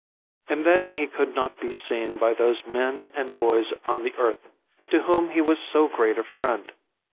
And then he could not be seen by those men and boys on the earth, to whom he was so great a friend.